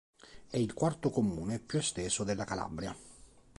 È il quarto comune più esteso della Calabria.